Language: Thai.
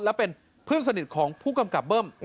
และเป็นเพื่อนสนิทของผู้กำกับเบิ้ม